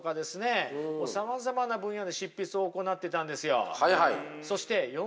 さまざまな分野で執筆を行ってたんですよ。